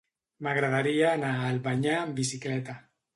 M'agradaria anar a Albanyà amb bicicleta.